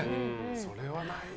それはないよ。